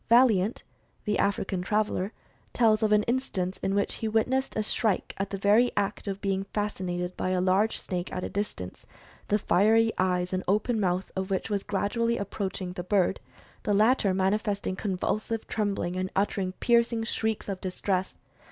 Valliant, the African traveler, tells of an instance in which he witnessed a shrike in the very act of being fascinated by a large snake at a distance, the fiery eyes and open mouth of which were gradually approaching the bird, the latter manifesting convulsive trembling and uttering pierc ing shrieks of distress.